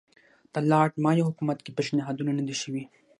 د لارډ مایو حکومت کې پېشنهادونه نه دي شوي.